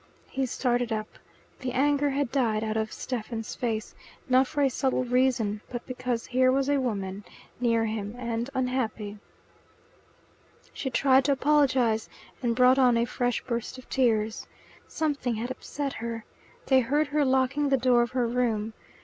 He started up. The anger had died out of Stephen's face, not for a subtle reason but because here was a woman, near him, and unhappy. She tried to apologize, and brought on a fresh burst of tears. Something had upset her. They heard her locking the door of her room.